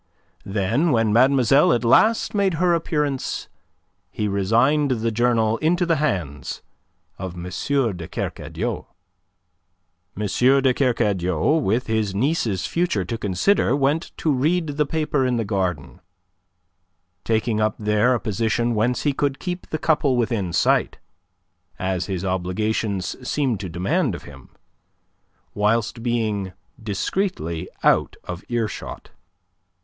Then, when mademoiselle at last made her appearance, he resigned the journal into the hands of M. de Kercadiou. M. de Kercadiou, with his niece's future to consider, went to read the paper in the garden, taking up there a position whence he could keep the couple within sight as his obligations seemed to demand of him whilst being discreetly out of earshot.